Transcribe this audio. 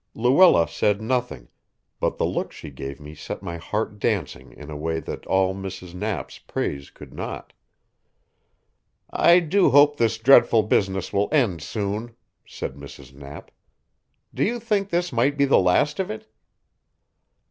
Luella said nothing, but the look she gave me set my heart dancing in a way that all Mrs. Knapp's praise could not. "I do hope this dreadful business will end soon," said Mrs. Knapp. "Do you think this might be the last of it?"